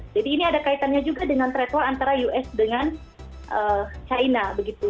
jadi ini ada kaitannya juga dengan traktual antara us dengan china begitu